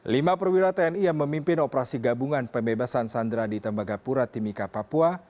lima perwira tni yang memimpin operasi gabungan pembebasan sandera di tembagapura timika papua